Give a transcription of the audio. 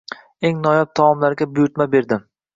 Eng noyob taomlarga buyurtma berdim.